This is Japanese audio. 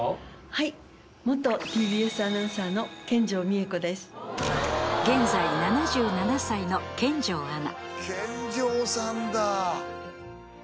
はい元ＴＢＳアナウンサーの見城美枝子です現在７７歳の見城アナ